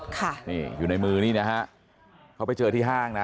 ค่ะนี่อยู่ในมือนี่นะฮะเขาไปเจอที่ห้างนะ